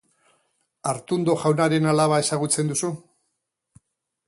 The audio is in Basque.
Artundo jaunaren alaba ezagutzen duzu?